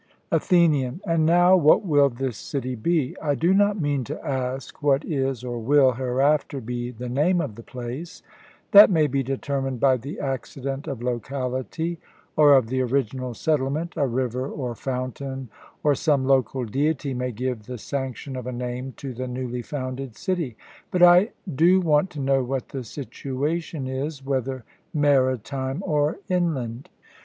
ATHENIAN: And now, what will this city be? I do not mean to ask what is or will hereafter be the name of the place; that may be determined by the accident of locality or of the original settlement a river or fountain, or some local deity may give the sanction of a name to the newly founded city; but I do want to know what the situation is, whether maritime or inland.